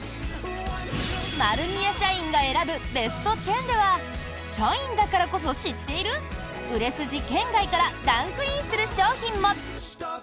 丸美屋社員が選ぶベスト１０では社員だからこそ知っている売れ筋圏外からランクインする商品も！